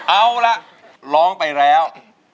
เอาล่ะร้องไปแล้ว